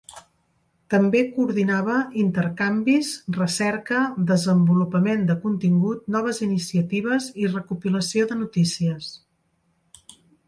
També coordinava intercanvis, recerca, desenvolupament de contingut, noves iniciatives i recopilació de notícies.